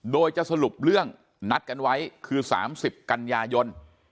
โดยจะสรุปเรื่องนัดกันไว้คือ๓๐กันยายน